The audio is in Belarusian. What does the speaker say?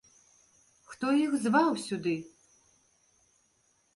Хто іх зваў сюды?